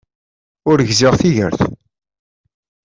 Ur gziɣ tigert.